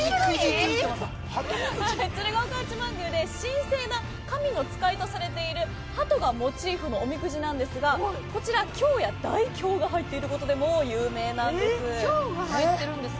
鶴岡八幡宮で神聖な神の遣いとされている鳩がモチーフのおみくじなんですがこちらは凶や大凶が入っていることでも有名なんです凶も入ってるんですか。